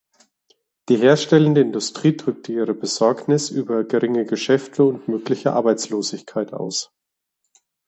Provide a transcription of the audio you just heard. Die herstellende Industrie drückte ihre Besorgnis über geringe Geschäfte und mögliche Arbeitslosigkeit aus.